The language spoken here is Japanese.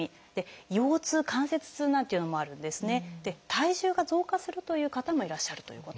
体重が増加するという方もいらっしゃるということ。